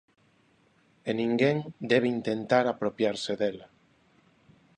E ninguén debe intentar apropiarse dela.